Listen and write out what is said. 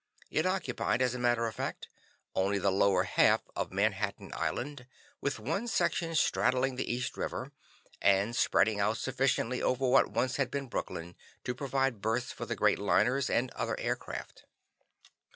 It occupied, as a matter of fact, only the lower half of Manhattan Island, with one section straddling the East River, and spreading out sufficiently over what once had been Brooklyn, to provide berths for the great liners and other air craft.